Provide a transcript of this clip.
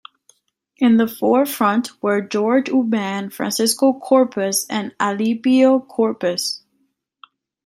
In the forefront where Jorge Udan, Francisco Corpus and Alipio Corpus.